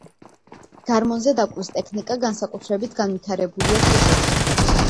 გარმონზე დაკვრის ტექნიკა განსაკუთრებით განვითარებულია თუშეთში.